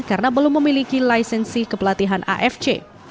karena belum memiliki lisensi kepelatihan afc